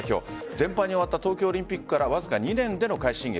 惨敗に終わった東京オリンピックから２年での快進撃。